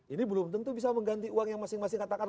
ini belum tentu bisa mengganti uang yang masing masing katakan